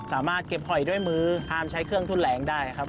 สามารถเก็บหอยด้วยมือห้ามใช้เครื่องทุนแรงได้ครับ